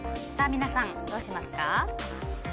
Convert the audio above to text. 皆さん、どうしますか？